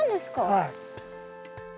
はい。